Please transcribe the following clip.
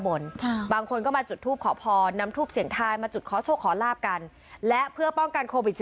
บางคนก็มาจุดทูปขอพรนำทูปเสียงทายมาจุดขอโชคขอลาบกันและเพื่อป้องกันโควิด๑๙